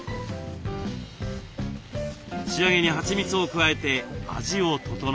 仕上げにはちみつを加えて味を調えます。